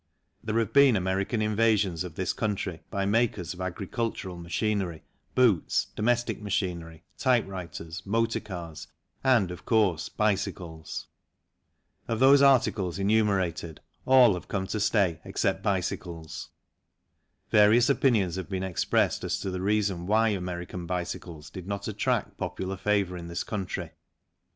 There have been American invasions of this country by makers of agricultural machinery, boots, domestic machinery, typewriters, motor cars, and, of course, bicycles. Of those articles enumerated all have come to stay except bicycles. Various opinions have been expressed as to the reason why American bicycles did not attract popular favour in this country.